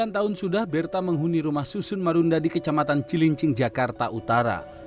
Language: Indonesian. sembilan tahun sudah berta menghuni rumah susun marunda di kecamatan cilincing jakarta utara